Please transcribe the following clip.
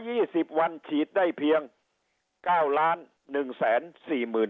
สิบวันฉีดได้เพียงเก้าล้านหนึ่งแสนสี่หมื่น